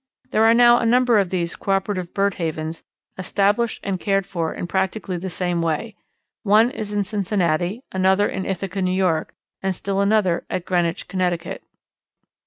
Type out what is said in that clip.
There are now a number of these coöperative bird havens established and cared for in practically the same way. One is in Cincinnati, another in Ithaca, New York, and still another at Greenwich, Connecticut.